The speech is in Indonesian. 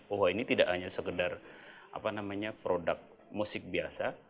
oh ini tidak hanya sekedar produk musik biasa